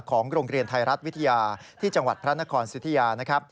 ของโรงเรียนไทยรัฐวิทยาที่จังหวัดพระนครสุธิยานะครับ